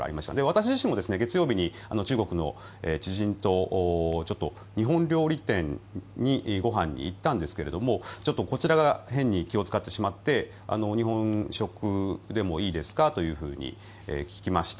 私自身も月曜日に中国の知人とちょっと日本料理店にご飯に行ったんですがこちらが変に気を使ってしまって日本食でもいいですかと聞きました。